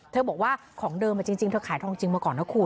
บอกว่าของเดิมจริงเธอขายทองจริงมาก่อนนะคุณ